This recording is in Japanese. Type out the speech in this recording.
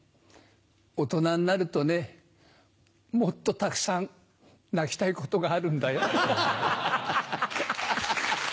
大人になるとねもっとたくさん泣きたいことがあるんだよ。